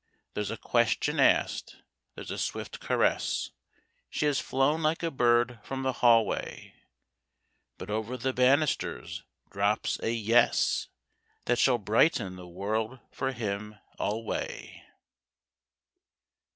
There's a question asked, there's a swift caress, She has flown like a bird from the hallway, But over the banisters drops a "yes," That shall brighten the world for him alway.